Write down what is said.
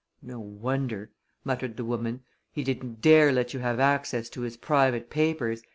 "No wonder!" muttered the woman. "He didn't dare let you have access to his private papers.